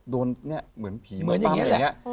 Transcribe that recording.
โดนเนี่ยเหมือนผีเมื่อยังไงแหละ